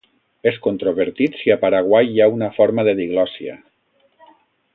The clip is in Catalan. És controvertit si a Paraguai hi ha una forma de diglòssia.